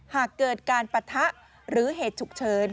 หากเกิดการปะทะหรือเหตุฉุกเฉิน